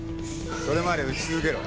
それまで打ち続けろ。